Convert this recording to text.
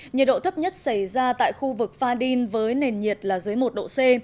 nhiệt độ thấp nhất xảy ra tại khu vực pha đin với nền nhiệt là dưới một độ c